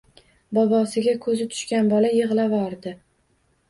Bobosiga ko‘zi tushgan bola yig‘lavordi.